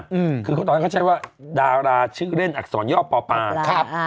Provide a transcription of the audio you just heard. ทีนี้ก็ถึงแป้งว่าดาราชื่อเล่นอักษรย่อปปครับ